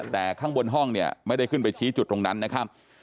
แต่ข้างบนห้องเนี่ยไม่ได้ขึ้นไปชี้จุดตรงนั้นนะครับ